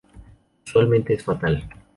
Usualmente es fatal.